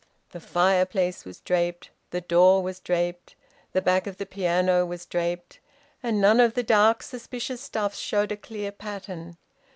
The fireplace was draped; the door was draped; the back of the piano was draped; and none of the dark suspicious stuffs showed a clear pattern.